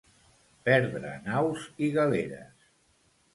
Perdre naus i galeres.